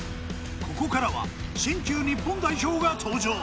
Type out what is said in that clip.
ここからは新旧日本代表が登場